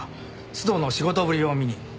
須藤の仕事ぶりを見に。